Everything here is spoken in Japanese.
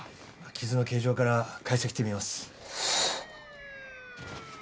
傷の形状から解析してみます。